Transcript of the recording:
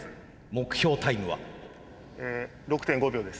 目標タイムは？え６．５秒です。